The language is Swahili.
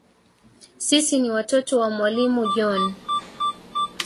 Sisi ni watoto wa mwalimu John.